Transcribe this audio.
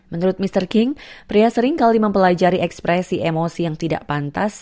menurut mr king pria seringkali mempelajari ekspresi emosi yang tidak pantas